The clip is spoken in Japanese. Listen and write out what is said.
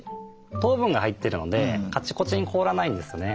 糖分が入ってるのでカチコチに凍らないんですね。